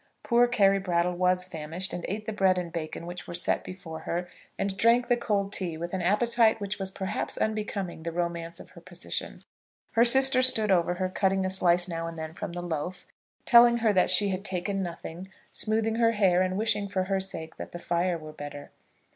Poor Carry Brattle was famished, and ate the bread and bacon which were set before her, and drank the cold tea, with an appetite which was perhaps unbecoming the romance of her position. Her sister stood over her, cutting a slice now and then from the loaf, telling her that she had taken nothing, smoothing her hair, and wishing for her sake that the fire were better.